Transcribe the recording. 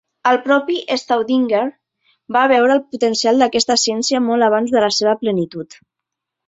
El propi Staudinger va veure el potencial d'aquesta ciència molt abans de la seva plenitud.